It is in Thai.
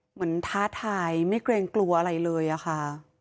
เหมือนท้าถ่ายไม่เกรงกลัวอะไรเลยอะค่ะ